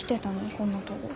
こんなとご。